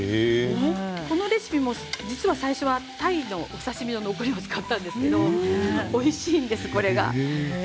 このレシピも実は最初は鯛の刺身の残りを使ったんですけれどもおいしいです、これが。